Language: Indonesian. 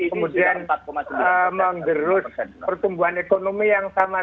kemudian menggerus pertumbuhan ekonomi yang sama